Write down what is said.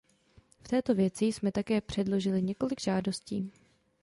V této věci jsme také předložili několik žádostí.